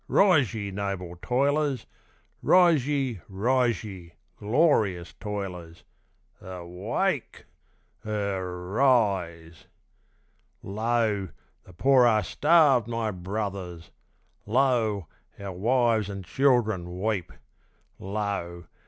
rise ye! noble toilers! Rise ye! rise ye! glorious toilers! Erwake! er rise! Lo! the poor are starved, my brothers! lo! our wives and children weep! Lo!